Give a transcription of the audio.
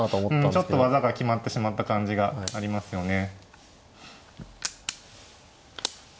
ちょっと技が決まってしまった感じがありますよね。